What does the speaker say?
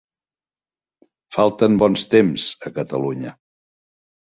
Falten bons temps a Catalunya.